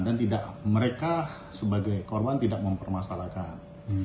dan mereka sebagai korban tidak mempermasalahkan